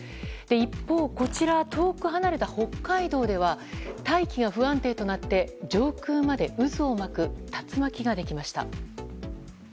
一方、遠く離れた北海道では大気が不安定となり上空まで渦を巻く竜巻ができました。